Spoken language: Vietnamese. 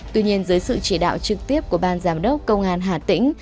tuy nhiên dưới sự chỉ đạo trực tiếp của ban giám đốc công an hà tĩnh